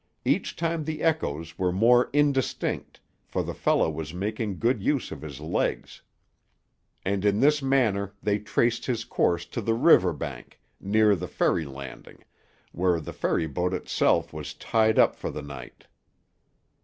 Each time the echoes were more indistinct, for the fellow was making good use of his legs; and in this manner they traced his course to the river bank, near the ferry landing, where the ferry boat itself was tied up for the night.